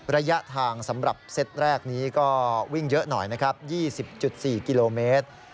ระยะทางสำหรับเซตแรกนี้ก็วิ่งเยอะหน่อยนะครับ๒๐๔กิโลเมตร